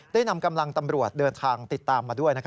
ได้นำกำลังตำรวจเดินทางติดตามมาด้วย